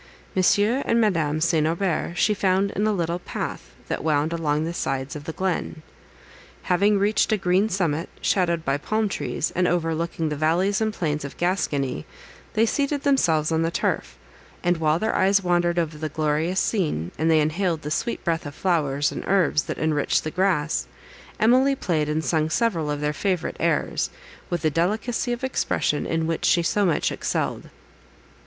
Monsieur and Madame St. Aubert she found in a little path that wound along the sides of the glen. Having reached a green summit, shadowed by palm trees, and overlooking the valleys and plains of Gascony, they seated themselves on the turf; and while their eyes wandered over the glorious scene, and they inhaled the sweet breath of flowers and herbs that enriched the grass, Emily played and sung several of their favourite airs, with the delicacy of expression in which she so much excelled.